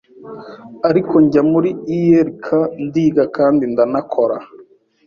ariko njya muri ULK ndiga kandi ndanakora